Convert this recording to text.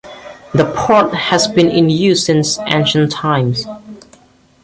The port has been in use since ancient times.